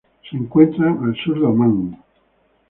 Se encuentran al sur de Omán.